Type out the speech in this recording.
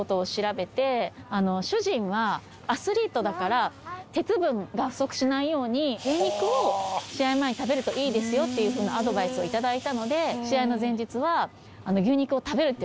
主人はアスリートだから鉄分が不足しないように牛肉を試合前に食べるといいですよっていうふうなアドバイスを頂いたので試合の前日は牛肉を食べるっていう事にしたんですよ。